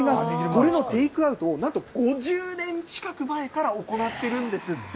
これのテイクアウトを、なんと５０年近く前から行っているんですって。